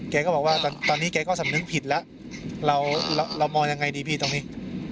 แกก็บอกว่าตอนนี้แกก็สำนึกผิดแล้วเรามองยังไงดีพี่ตรงนี้